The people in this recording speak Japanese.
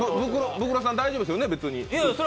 ブクロさん、大丈夫ですよね、これ。